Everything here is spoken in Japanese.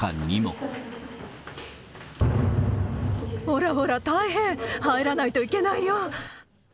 ほらほら大変、入らないといけないよ。